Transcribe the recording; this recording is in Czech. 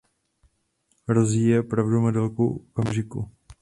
Rosie je opravdu modelkou okamžiku.